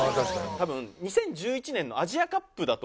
多分２０１１年のアジアカップだと思うんですよ。